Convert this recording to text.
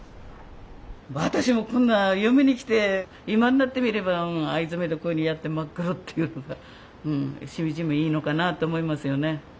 私もこんな嫁に来て今になってみれば藍染めでこういうのやって真っ黒っていうのがうんしみじみいいのかなと思いますよね。